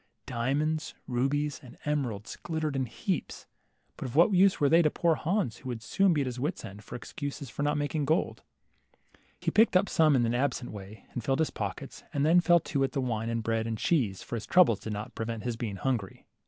Diamonds, rubies, and emeralds glittered in heaps, but of what use were they to poor Hans, who would soon be at his wits' end for excuses for not making gold ? He picked some up in an absent way, and filled his pockets, and then fell to at the wine and bread and cheese, for his troubles did not prevent his being hungry.